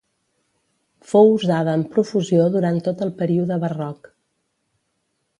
Fou usada amb profusió durant tot el període barroc.